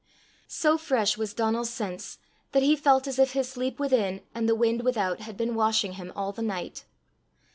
So fresh was Donal's sense that he felt as if his sleep within and the wind without had been washing him all the night.